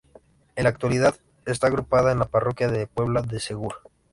En la actualidad está agrupada a la parroquia de La Puebla de Segur.